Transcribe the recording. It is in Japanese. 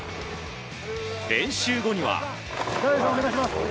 練習後には。